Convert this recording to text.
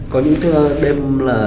có những bài thức đêm